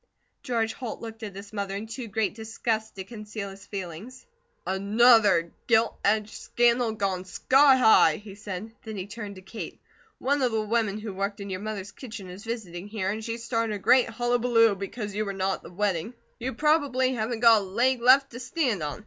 George Holt looked at his mother in too great disgust to conceal his feelings. "ANOTHER gilt edged scandal gone sky high," he said. Then he turned to Kate. "One of the women who worked in your mother's kitchen is visiting here, and she started a great hullabaloo because you were not at the wedding. You probably haven't got a leg left to stand on.